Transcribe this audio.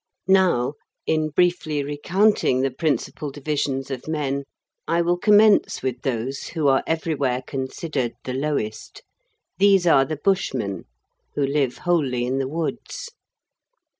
Now, in briefly recounting the principal divisions of men, I will commence with those who are everywhere considered the lowest. These are the Bushmen, who live wholly in the woods.